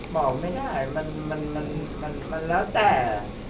บอกไม่ได้มันมันมันมันมันมันแล้วแต่